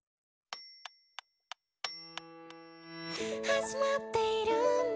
「始まっているんだ